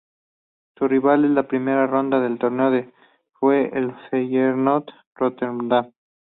Su rival en la primera ronda del torneo fue el Feyenoord Rotterdam.